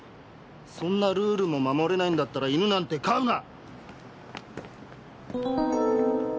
そんなルールも守れないんだったら犬なんて飼うな！